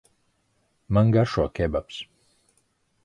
Man garšo kebabs.